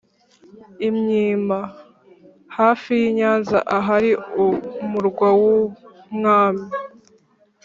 i mwima: hafi y’i nyanza ahari umurwa w’umwami